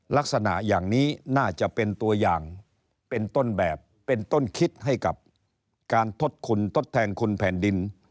ลักษณะอย่างนี้น่าจะเป็นตัวอย่างเป็นต้นแบบเป็นต้นคิดให้กับการทดคุณทดแทนคุณแผ่นดิน